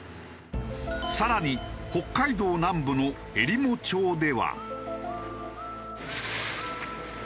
更に北海道南部のえりも町では。